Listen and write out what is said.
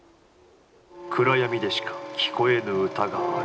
暗闇でしか聴こえぬ歌がある。